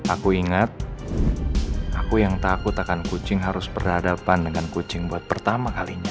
aku ingat aku yang takut akan kucing harus berhadapan dengan kucing buat pertama kalinya